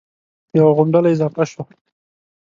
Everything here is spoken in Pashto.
یوه غونډله اضافه شوه